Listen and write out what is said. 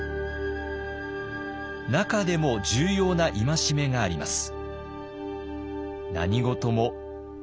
中でも重要な戒めがあります。